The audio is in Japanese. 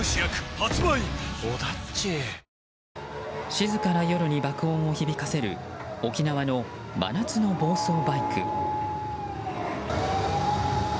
静かな夜に爆音を響かせる沖縄の真夏の暴走バイク。